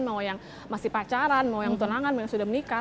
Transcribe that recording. mau yang masih pacaran mau yang tunangan mau yang sudah menikah